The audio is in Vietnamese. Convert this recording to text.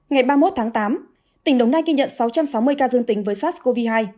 ngày ba mươi một tháng tám tỉnh đồng nai ghi nhận sáu trăm sáu mươi ca dương tính với sars cov hai